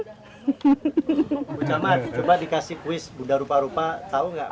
ibu camat coba dikasih kuis bunda rupa rupa tahu nggak